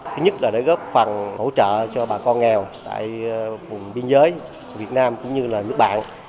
thứ nhất là để góp phần hỗ trợ cho bà con nghèo tại vùng biên giới việt nam cũng như là nước bạn